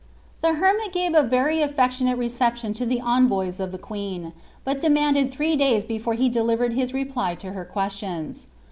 The hermit gave a very afTectionste reception to the envoys of (be queen, but demanded three days before he delivered his reply to bet questions.